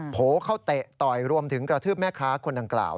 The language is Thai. โผล่เข้าเตะต่อยรวมถึงกระทืบแม่ค้าคนดังกล่าว